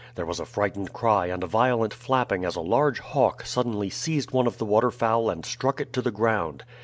There was a frightened cry and a violent flapping as a large hawk suddenly seized one of the waterfowl and struck it to the ground.